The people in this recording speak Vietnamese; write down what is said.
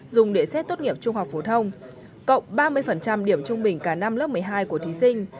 dùng để xét tốt nghiệp trung học phổ thông cộng ba mươi điểm trung bình cả năm lớp một mươi hai của thí sinh